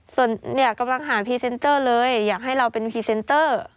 ส่วนเนี่ยกำลังหาพรีเซนเตอร์เลยอยากให้เราเป็นพรีเซนเตอร์